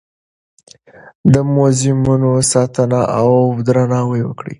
د موزیمونو ساتنه او درناوی وکړئ.